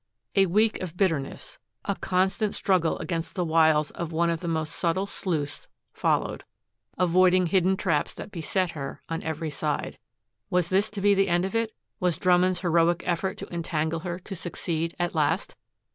A week of bitterness, of a constant struggle against the wiles of one of the most subtle sleuths followed, avoiding hidden traps that beset her on every side. Was this to be the end of it all? Was Drummond's heroic effort to entangle her to succeed at last?